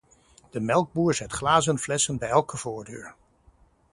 De melkboer zet glazen flessen bij elke voordeur.